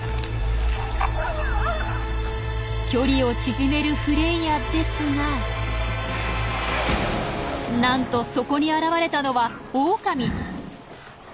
距離を縮めるフレイヤですがなんとそこに現れたのはオオカミ！